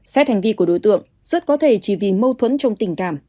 xét hành vi của đối tượng rất có thể chỉ vì mâu thuẫn trong tình cảm